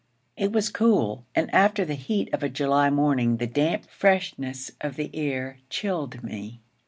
It was cool, and after the heat of a July morning, the damp freshness of the air chilled me.